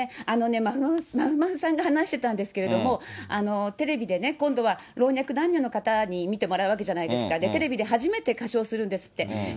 まふまふさんが話してたんですけれども、テレビで今度は、老若男女の方に見てもらうわけじゃないですか、テレビで初めて歌唱するんですって。